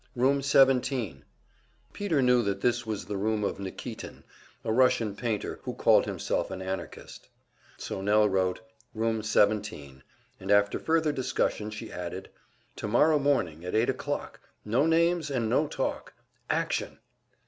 "Room 17." Peter knew that this was the room of Nikitin, a Russian painter who called himself an Anarchist. So Nell wrote "Room 17," and after further discussion she added: "Tomorrow morning at eight o'clock. No names and no talk. Action!"